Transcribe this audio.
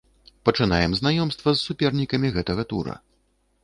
Пачынаем знаёмства з супернікамі гэтага тура.